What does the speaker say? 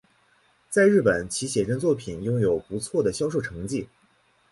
在日本其写真作品拥有不错的销售成绩。